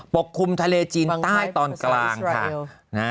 กคลุมทะเลจีนใต้ตอนกลางค่ะ